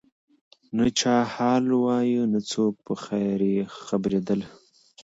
نه چا حال وایه نه څوک په خبرېدله